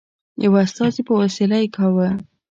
یوه استازي په وسیله یې کاوه.